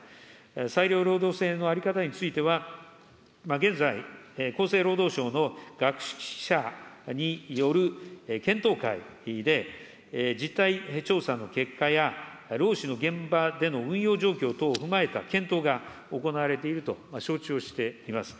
裁量労働制の在り方については、現在、厚生労働省の学識者による検討会で、実態調査の結果や、労使の現場での運用状況等を踏まえた検討が行われていると承知をしています。